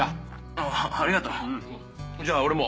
あぁありがとう。じゃあ俺も。